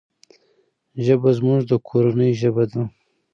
ژبه زموږ د کورنی ژبه ده.